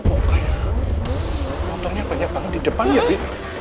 oh kayak motornya banyak banget di depannya sih